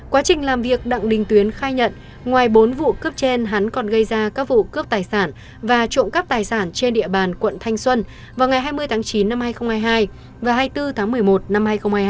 quá trình làm việc đặng đình tuyến khai nhận ngoài bốn vụ cướp trên hắn còn gây ra các vụ cướp tài sản và trộm cắp tài sản trên địa bàn quận thanh xuân vào ngày hai mươi tháng chín năm hai nghìn hai mươi hai và hai mươi bốn tháng một mươi một năm hai nghìn hai mươi hai